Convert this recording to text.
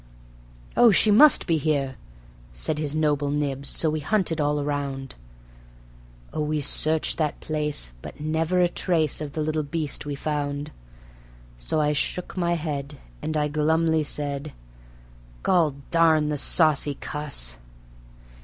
"She must be here," said his Noble Nibbs, so we hunted all around; Oh, we searched that place, but never a trace of the little beast we found. So I shook my head, and I glumly said: "Gol darn the saucy cuss!